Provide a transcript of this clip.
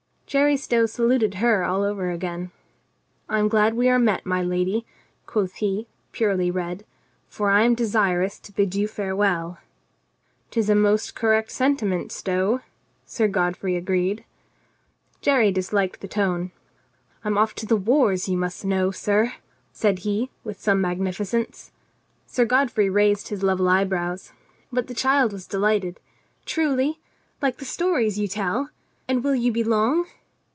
Jerry Stow saluted her all over again. "I am glad we are met, my lady," quoth he, purely red, "for I am desirous to bid you farewell." " 'Tis a most correct sentiment, Stow," Sir God frey agreed. Jerry disliked the tone. "I am off to the wars, you must know, sir," said he with some magnificence. Sir Godfrey raised level eyebrows. But the child was delighted. "Truly? Like the stories you tell? And will you be long?"